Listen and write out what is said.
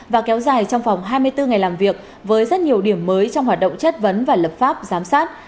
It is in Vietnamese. và kéo dài trong vòng hai mươi bốn ngày làm việc với rất nhiều điểm mới trong hoạt động chất vấn và lập pháp giám sát